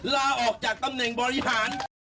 ลาออกจากตำแหน่งบริหาร